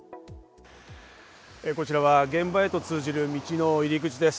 こちらが現場へと通じる道の入り口です。